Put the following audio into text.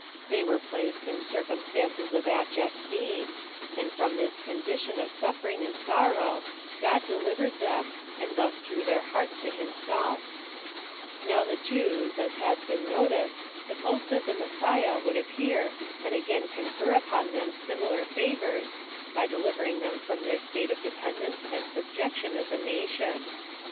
Thev were placed in circnmstances of abject need ; and, from this condition of suffering and sorrow, God ilelivered them, and thus drew their iiearts to him self Now the Jews, as has been noticed, supposed that tjie Messiah would appear and again confer upon them similar favors, by delivering them from their state of dependence and subjection as a nation.